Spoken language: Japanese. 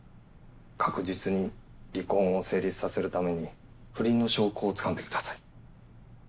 確実に離婚を成立させるために不倫の証拠をつかんでください。